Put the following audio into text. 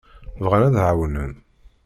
Bɣan ad d-εawnen.